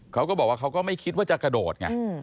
เขาก็บอกว่าเขาก็ไม่คิดว่าจะกระโดดไง